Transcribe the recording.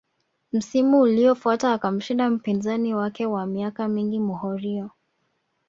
Msimu uliofuata akamshinda mpinzani wake wa miaka mingi Mourinho